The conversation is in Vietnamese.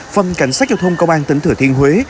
phòng cảnh sát giao thông công an tỉnh thừa thiên huế